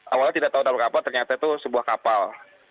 awalnya tidak tahu ada kapal ternyata itu sebuah kapal